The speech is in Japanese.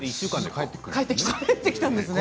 帰ってきたんだね。